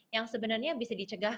yang sebenarnya bisa dicegah